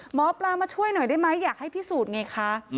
หมอปลามาช่วยหน่อยได้ไหมอยากให้พิสูจน์ไงคะ